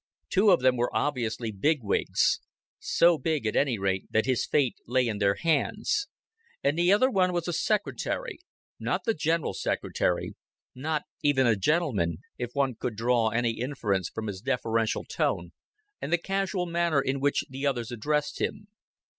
Two of them were obviously bigwigs so big, at any rate, that his fate lay in their hands; and the other one was a secretary not the General Secretary not even a gentleman, if one could draw any inference from his deferential tone and the casual manner in which the others addressed him.